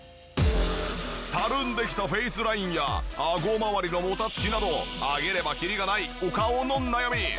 たるんできたフェイスラインやアゴまわりのもたつきなど挙げればキリがないお顔の悩み。